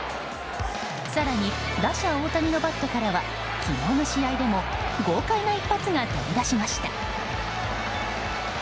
更に打者・大谷のバットからは昨日の試合でも豪快な一発が飛び出しました。